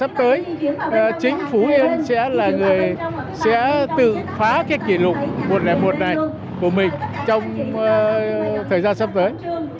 sẽ tự phá cái kỷ lục một trăm linh một này của mình trong thời gian sắp tới